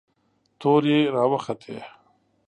تورې را وختې.